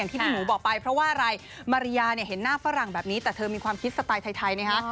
ที่พี่หมูบอกไปเพราะว่าอะไรมาริยาเนี่ยเห็นหน้าฝรั่งแบบนี้แต่เธอมีความคิดสไตล์ไทยนะฮะ